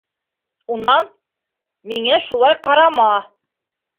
— Унан, миңә шулай ҡарама.